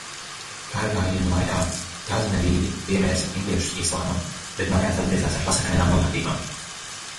Karagājienu laikā Gaznevīdi pievērsa indiešus islāmam, bet mājās atgriezās ar pasakainām bagātībām.